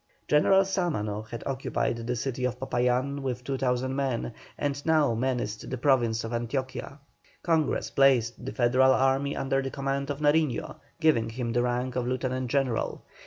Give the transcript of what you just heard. General Sámano had occupied the city of Popayán with 2,000 men, and now menaced the Province of Antioquia. Congress placed the Federal army under the command of Nariño, giving him the rank of lieutenant general.